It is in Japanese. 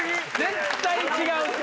絶対違うて！